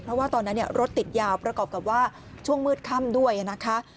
เพราะว่าตอนนั้นรถติดยาวประกอบกับว่าช่วงมืดค่ำด้วยนะคะ